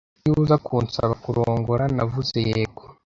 Iyo uza kunsaba kurongora, navuze yego.